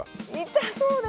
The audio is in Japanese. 痛そうです！